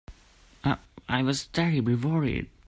I—I was terribly worried.